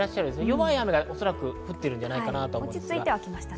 弱い雨がおそらく降っているんじゃないかなと思います。